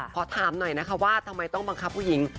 ขอถามหน่อยนะคะว่าทำไมต้องบังคับผู้หญิง